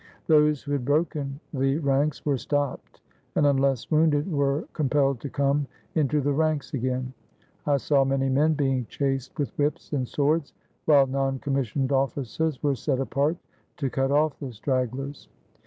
Those who had broken the ranks were stopped, and unless wounded were com pelled to come into the ranks again. I saw many men being chased with whips and swords, while noncom missioned officers were set apart to cut off the stragglers.